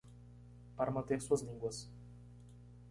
para manter suas línguas